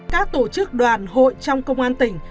các tổ chức đoàn hội trong công an tỉnh